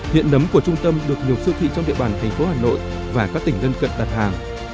hiện nấm của trung tâm được nhiều siêu thị trong địa bàn thành phố hà nội và các tỉnh lân cận đặt hàng